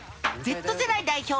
Ｚ世代代表